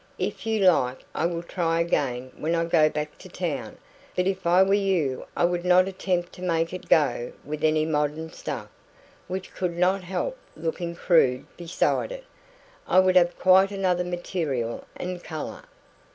If you like I will try again when I go back to town, but if I were you I would not attempt to make it go with any modern stuff, which could not help looking crude beside it; I would have quite another material and colour.